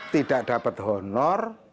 tidak dapat honor